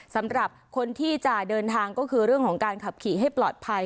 สำหรับคนที่จะเดินทางก็คือเรื่องของการขับขี่ให้ปลอดภัย